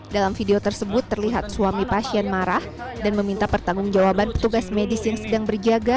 dalam video tersebut terlihat suami pasien marah dan meminta pertanggung jawaban petugas medis yang sedang berjaga